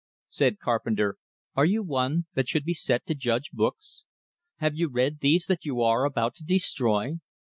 Said Carpenter: "Are you one that should be set to judge books? Have you read these that you are about to destroy?"